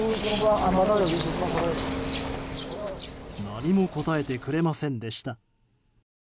何も答えてくれませんでした。